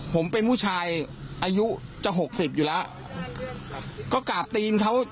ผมเป็นผู้ชายอายุจะหกสิบอยู่แล้วก็กราบตีนเขา